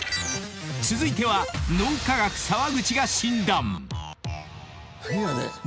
［続いては脳科学澤口が診断］